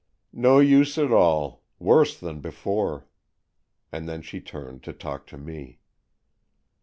" No use at all. Worse than before." And then she turned to talk to me.